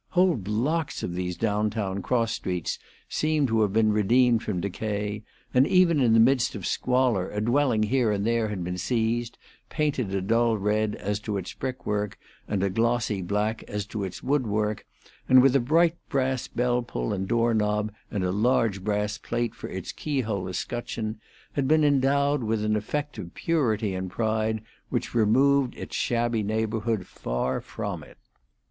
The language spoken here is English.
Whole blocks of these downtown cross streets seemed to have been redeemed from decay, and even in the midst of squalor a dwelling here and there had been seized, painted a dull red as to its brick work, and a glossy black as to its wood work, and with a bright brass bell pull and door knob and a large brass plate for its key hole escutcheon, had been endowed with an effect of purity and pride which removed its shabby neighborhood far from it.